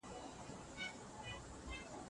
څوک د اقتصاد پلانونه جوړوي؟